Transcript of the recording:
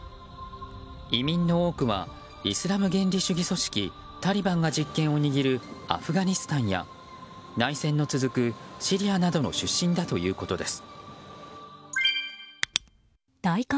移民の多くはイスラム原理主義組織タリバンが実権を握るアフガニスタンや内戦の続くシリアなどの出身だということです。